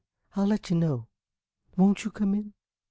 "I'll let you know. Won't you come in?"